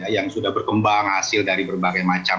yang sudah berkembang hasil dari berbagai macam